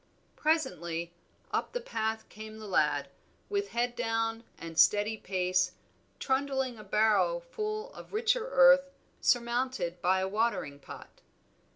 Presently up the path came the lad, with head down and steady pace, trundling a barrow full of richer earth, surmounted by a watering pot.